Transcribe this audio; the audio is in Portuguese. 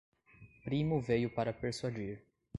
Primo veio para persuadir